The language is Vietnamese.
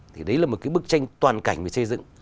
thì đấy là một cái bức tranh toàn cảnh về xây dựng